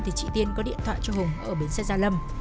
thì chị tiên có điện thoại cho hùng ở bến xe gia lâm